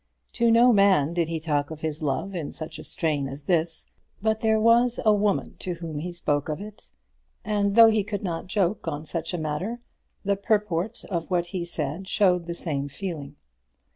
To no man did he talk of his love in such a strain as this; but there was a woman to whom he spoke of it; and though he could not joke on such a matter, the purport of what he said showed the same feeling.